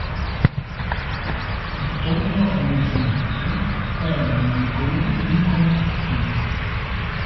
Attorno a mezzanotte erano ancora in contatto.